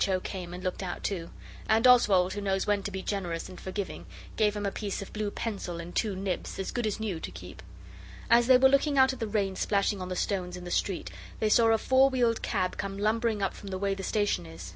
O. came and looked out too, and Oswald, who knows when to be generous and forgiving, gave him a piece of blue pencil and two nibs, as good as new, to keep. As they were looking out at the rain splashing on the stones in the street they saw a four wheeled cab come lumbering up from the way the station is.